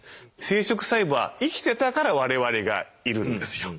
生殖細胞が生きてたから我々がいるんですよ。